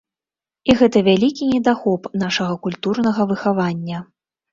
І гэта вялікі недахоп нашага культурнага выхавання.